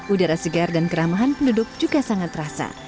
udara segar dan keramahan penduduk juga sangat terasa